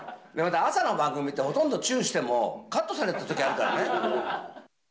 朝の番組ってほとんどチュしてもカットされる時あるからね。